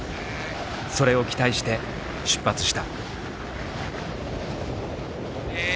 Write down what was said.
それを期待して出発した。